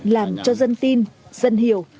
làm cho dân tin dân hiểu